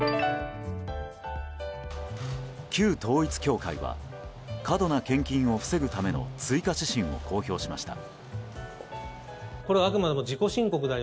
旧統一教会は過度な献金を防ぐための追加指針を公表しました。